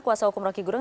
kuasa hukum roky gerung